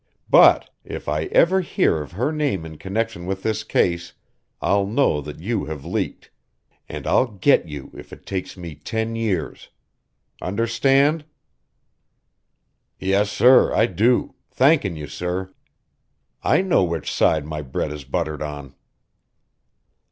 But if I ever hear of her name in connection with this case I'll know that you have leaked and I'll get you if it takes me ten years. Understand?" "Yes, sir, I do thankin' you, sir. I know which side my bread is buttered on."